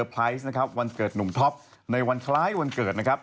กระเทยเก่งกว่าเออแสดงความเป็นเจ้าข้าว